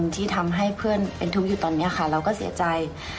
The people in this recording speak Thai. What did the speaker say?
ที่ทำให้เพื่อนเป็นทุกข์อยู่ตอนนี้ค่ะเราก็เสียใจ